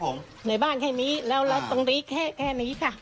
ผมในบ้านแค่นี้แล้วตรงนี้แค่แค่นี้ค่ะ